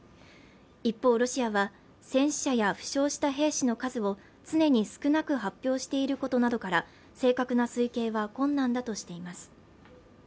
一方ロシアは戦死者や負傷した兵士の数を常に少なく発表していることなどから正確な推計は困難だとしています